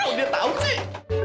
oh dia tahu sih